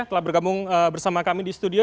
telah bergabung bersama kami di studio